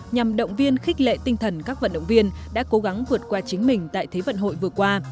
nhằm động viên khích lệ tinh thần các vận động viên đã cố gắng vượt qua chính mình tại thế vận hội vừa qua